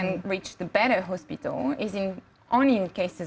berhasil ke hospital yang lebih baik